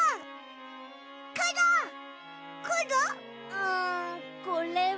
うんこれは。